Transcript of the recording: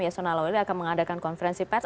yasona lawili akan mengadakan konferensi peds